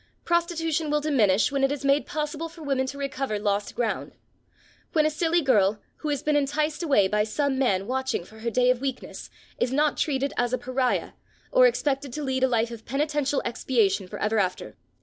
Prostitution will diminish when it is made possible for women to recover lost ground; when a silly girl, who has been enticed away by some man watching for her day of weakness, is not treated as a pariah or expected to lead a life of penitential expiation for ever after.